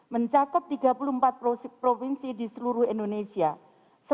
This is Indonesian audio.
mencakup tiga puluh empat provinsi di seluruh indonesia